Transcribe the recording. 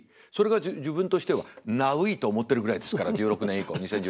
それが自分としてはナウいと思ってるぐらいですから１６年以降２０１６年。